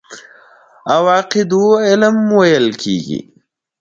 او عقيدو علم ويل کېږي.